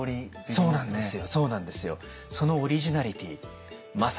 そうなんですよ。